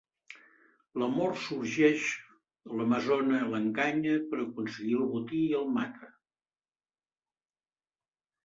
L'amor sorgeix, l'amazona l'enganya per aconseguir el botí i el mata.